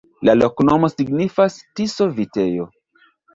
La loknomo signifas: Tiso-vitejo.